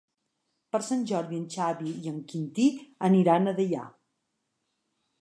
Per Sant Jordi en Xavi i en Quintí aniran a Deià.